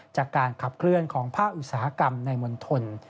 จากการขับเคลื่อนของภาคอุตสาหกรรมในมณฑล